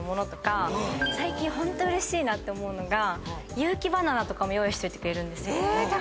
最近うれしいなって思うのが有機バナナとかも用意しといてくれるんですよ。